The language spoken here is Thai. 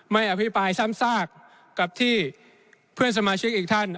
อภิปรายซ้ำซากกับที่เพื่อนสมาชิกอีกท่าน